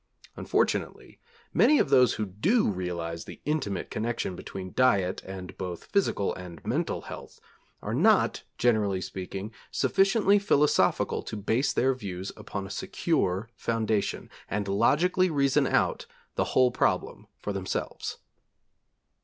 Unfortunately many of those who do realise the intimate connection between diet and both physical and mental health, are not, generally speaking, sufficiently philosophical to base their views upon a secure foundation and logically reason out the whole problem for themselves.